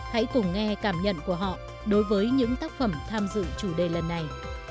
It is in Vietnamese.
hãy cùng nghe cảm nhận của họ đối với những tác phẩm tham dự chủ đề lần này